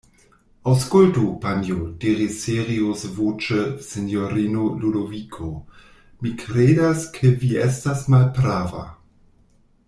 Aŭskultu, panjo, diris seriozvoĉe sinjorino Ludoviko; mi kredas ke vi estas malprava.